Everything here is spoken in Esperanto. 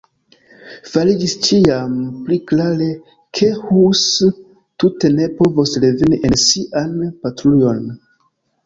Fariĝis ĉiam pli klare, ke Hus tute ne povos reveni en sian patrujon.